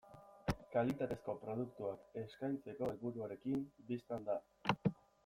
Kalitatezko produktuak eskaintzeko helburuarekin, bistan da.